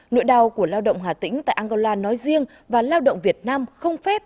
nỗi đau của lao động hà tĩnh tại angola nói riêng và lao động việt nam không phép